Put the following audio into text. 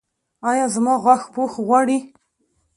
ایا زما غاښ پوښ غواړي؟